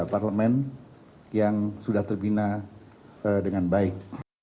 parlemen yang sudah terbina dengan baik